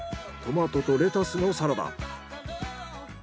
トマトとレタスのサラダ。